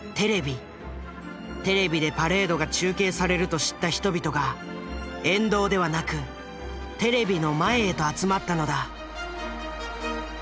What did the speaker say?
テレビでパレードが中継されると知った人々が沿道ではなくテレビの前へと集まったのだ。